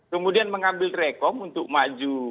kemudian mengambil rekom untuk maju